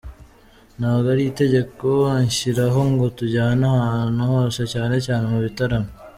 Ntabwo ari itegeko anshyiraho ngo tujyane ahantu hose cyane cyane mu bitaramo.